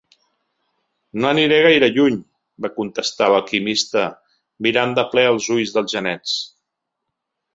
"No aniré gaire lluny" va contestar l'alquimista mirant de ple als ulls dels genets.